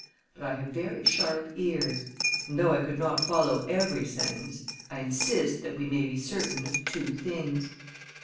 But I have very sharp ears; and though I could not follow every sentence, I insist that we may be certain of two things.